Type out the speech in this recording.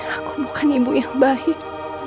aku bukan ibu yang baik